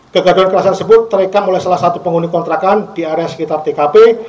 kegagalan kerasan tersebut terekam oleh salah satu penghuni kontrakan di area sekitar tkp